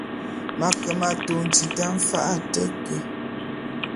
M’ ake m’atôn tita mfa’a a te ke.